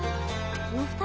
この２人。